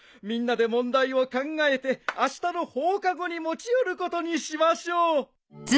みんなで問題を考えてあしたの放課後に持ち寄ることにしましょう。